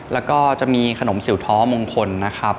แล้วก็จะมีขนมสิวท้อมงคลนะครับ